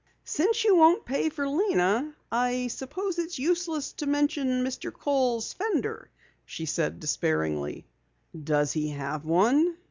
"Since you won't pay for Lena, I suppose it's useless to mention Mr. Kohl's fender," she said despairingly. "Does he have one?"